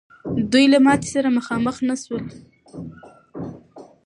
دوی له ماتي سره مخامخ نه سول.